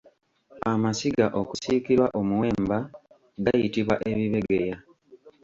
Amasiga okusiikirwa omuwemba gayitibwa Ebibegeya.